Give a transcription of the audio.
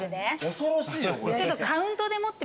恐ろしいよこれ。